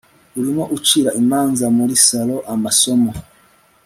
Urimo ucira imanza muri sallo amasomo